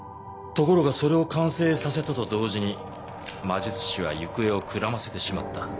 ところがそれを完成させたと同時に魔術師は行方をくらませてしまった。